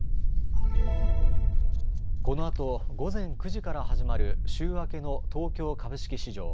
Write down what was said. このあと午前９時から始まる週明けの東京株式市場。